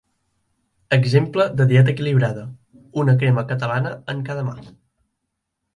Exemple de dieta equilibrada: una crema catalana en cada mà.